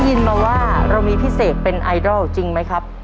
ินมาว่าเรามีพิเศษเป็นไอดอลจริงไหมครับ